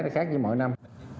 nó khác với mỗi năm